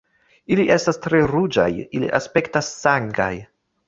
"Ili estas tre ruĝaj. Ili aspektas sangaj."